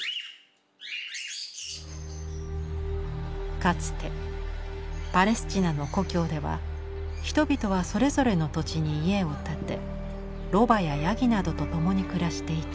かつてパレスチナの故郷では人々はそれぞれの土地に家を建てロバやヤギなどと共に暮らしていた。